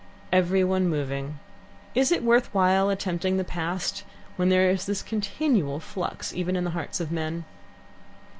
Every one moving. Is it worth while attempting the past when there is this continual flux even in the hearts of men?